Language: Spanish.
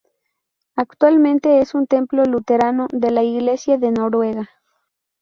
Actualmente es un templo luterano de la Iglesia de Noruega.